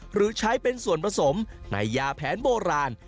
หรือใช้เป็นส่วนผสมในยาแผนโบราณ